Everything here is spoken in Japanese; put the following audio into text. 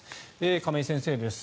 亀井先生です。